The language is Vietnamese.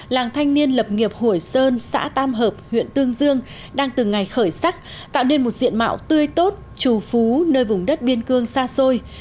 làng thanh niên lập nghiệp hủy sơn xã tam hợp huyện tương dương đang từng ngày khởi sắc tạo nên một diện mạo tươi tốt trù phú nơi vùng đất biên cương xa xôi